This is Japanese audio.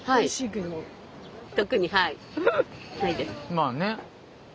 まあね。